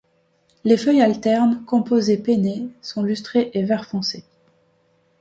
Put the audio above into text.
Les feuilles alternes, composées pennées, sont lustrées et vert foncé.